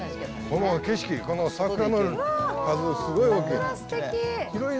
この景色、この桜の、すごい大きい。